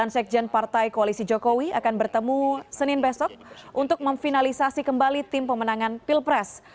delapan sekjen partai koalisi jokowi akan bertemu senin besok untuk memfinalisasi kembali tim pemenangan pilpres